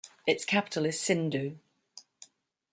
Its capital is Sindou.